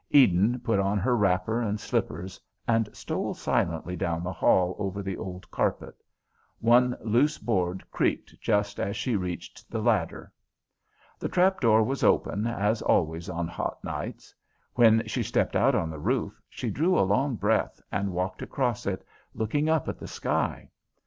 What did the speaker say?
Eden put on her wrapper and slippers and stole softly down the hall over the old carpet; one loose board creaked just as she reached the ladder. The trap door was open, as always on hot nights. When she stepped out on the roof she drew a long breath and walked across it, looking up at the sky.